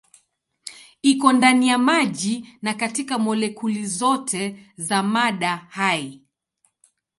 Iko ndani ya maji na katika molekuli zote za mada hai.